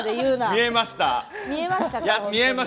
見えました！